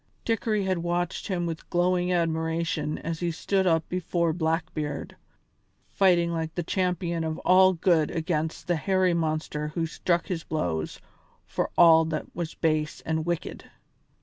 Dickory had watched him with glowing admiration as he stood up before Blackbeard, fighting like the champion of all good against the hairy monster who struck his blows for all that was base and wicked.